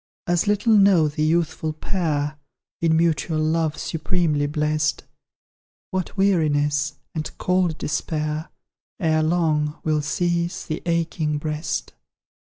As little know the youthful pair, In mutual love supremely blest, What weariness, and cold despair, Ere long, will seize the aching breast.